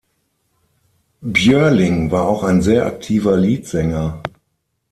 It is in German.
Björling war auch ein sehr aktiver Liedsänger.